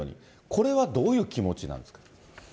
これはどういう気持ちなんですか。